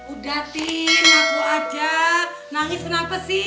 udah tin aku ajak nangis kenapa sih